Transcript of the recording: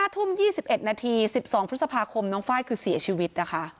๕ทุ่ม๒๑นาที๑๒พฤษภาคมน้องไฟล์คือเสียชีวิตนะคะ